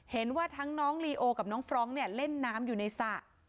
เห็นว่าทั้งน้องลีโอกับน้องฟรองก์เล่นน้ำอยู่ในสระ